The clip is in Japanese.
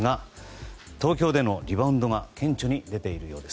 東京でのリバウンドが顕著に出ているようです。